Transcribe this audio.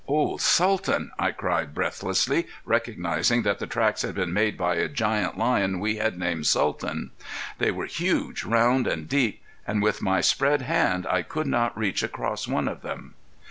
"Old Sultan!" I cried, breathlessly, recognizing that the tracks had been made by a giant lion we had named Sultan. They were huge, round, and deep, and with my spread hand I could not reach across one of them.